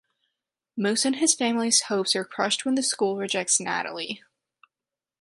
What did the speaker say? Moose and his family's hopes are crushed when the school rejects Natalie.